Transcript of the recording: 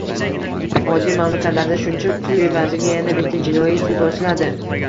Oddiy mamlakatlarda shuncha pul evaziga yana bitta jinoiy sud ochiladi